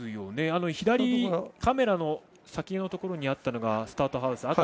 カメラの先のところにあったのがスタートハウス。